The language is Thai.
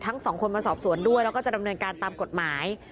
ทั้งสองคนมาสอบสวนด้วยแล้วก็จะดำเนินการตามกฎหมาย